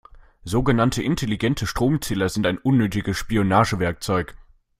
Sogenannte intelligente Stromzähler sind ein unnötiges Spionagewerkzeug.